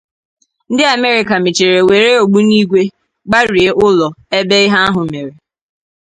ndị Amerịka mechera nwere ogbunigwe gbarie ụlọ ebe ịhe ahụ mere.